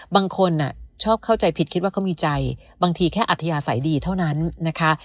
บางคนชอบเข้าใจผิดคิดว่าเขามีใจบางทีแค่อัธยาศัยดีเท่านั้นนะคะ